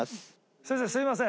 先生すみません。